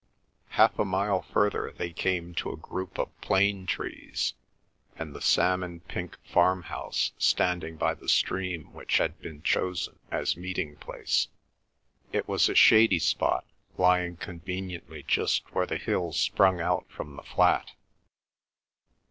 Half a mile further, they came to a group of plane trees and the salmon pink farmhouse standing by the stream which had been chosen as meeting place. It was a shady spot, lying conveniently just where the hill sprung out from the flat.